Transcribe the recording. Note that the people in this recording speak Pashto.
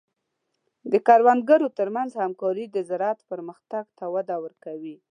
د کروندګرو تر منځ همکاري د زراعت پرمختګ ته وده ورکوي.